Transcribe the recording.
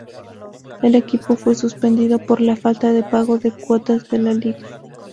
El equipo fue suspendido por la falta de pago las cuotas de la liga.